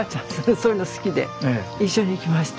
そういうの好きで一緒に行きました。